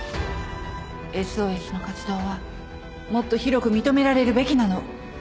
「ＳＯＳ」の活動はもっと広く認められるべきなの。